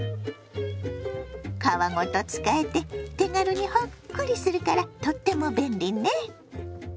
皮ごと使えて手軽にほっくりするからとっても便利ね。